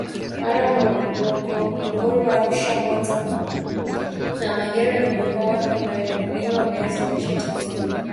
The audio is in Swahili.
Mara Morogoro Arusha Mwanza na Kagera ni mikoa inayolima viazi lishe tanzania